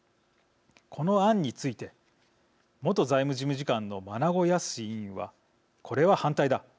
この案について元財務事務次官の真砂靖委員は「これは反対だ。